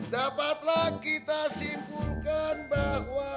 dapatlah kita simpulkan bahwa